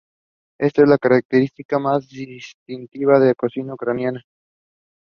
Joyce used Shakespeare and Company as his office.